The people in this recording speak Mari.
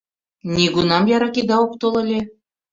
Нигунам яра кида ок тол ыле.